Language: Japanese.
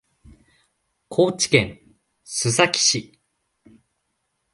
高知県須崎市